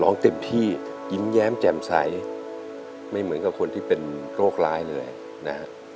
เต็มที่ยิ้มแย้มแจ่มใสไม่เหมือนกับคนที่เป็นโรคร้ายเลยนะฮะ